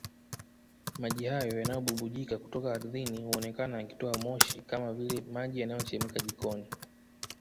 Maji hayo yanayobubujika kutoka ardhini huonekana yakitoa moshi kama vile maji yanayochemka jikoni